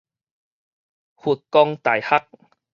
佛光大學